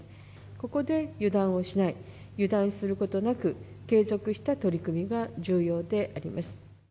ここで油断をしない、油断することなく、継続した取り組みが重要であります。